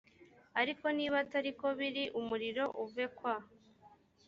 ariko niba atari ko biri umuriro uve kwa